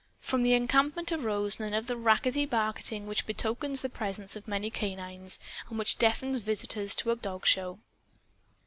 From the encampment arose none of the rackety barking which betokens the presence of many canines, and which deafens visitors to a dog show.